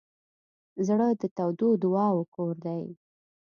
زړه د تودو دعاوو کور دی.